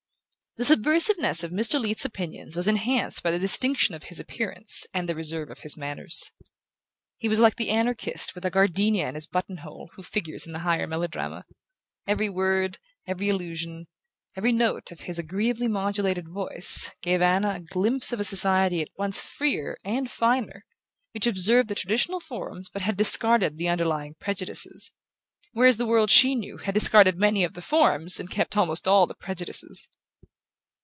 The subversiveness of Mr. Leath's opinions was enhanced by the distinction of his appearance and the reserve of his manners. He was like the anarchist with a gardenia in his buttonhole who figures in the higher melodrama. Every word, every allusion, every note of his agreeably modulated voice, gave Anna a glimpse of a society at once freer and finer, which observed the traditional forms but had discarded the underlying prejudices; whereas the world she knew had discarded many of the forms and kept almost all the prejudices.